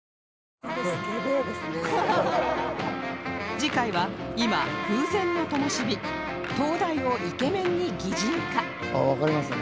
次回は今風前のともしび灯台をイケメンに擬人化